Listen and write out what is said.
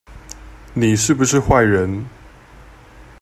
你是不是壞人